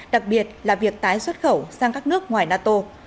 đặc biệt là việc tái xuất khẩu sang các nước ngoài nato